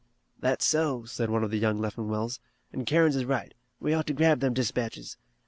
"That's so," said one of the young Leffingwells, "an' Kerins is right. We ought to grab them dispatches.